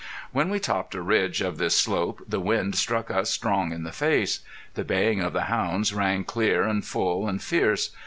When we topped a ridge of this slope the wind struck us strong in the face. The baying of the hounds rang clear and full and fierce.